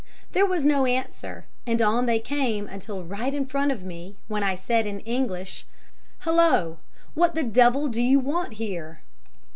There was no answer, and on they came until right in front of me, when I said, in English, 'Hullo, what the d l do you want here?'